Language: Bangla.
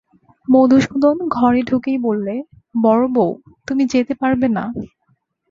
মধুসূদন ঘরে ঢুকেই বললে, বড়োবউ, তুমি যেতে পারবে না।